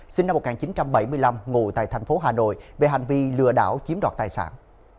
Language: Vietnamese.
sinh năm một nghìn chín trăm bảy mươi năm ngủ tại tp hà nội về hành vi lừa đảo chiếm đoạt tài sản